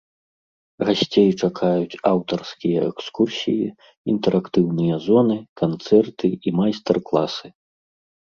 Гасцей чакаюць аўтарскія экскурсіі, інтэрактыўныя зоны, канцэрты і майстар-класы.